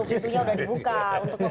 waktunya udah dibuka